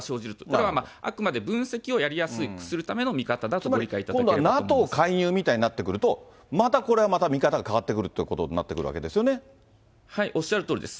だから、あくまで分析をやりやすくするための見方だつまり、今度はＮＡＴＯ介入みたいになってくると、またこれは、また見方が変わってくるといおっしゃるとおりです。